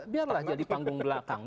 biarlah jadi panggung belakang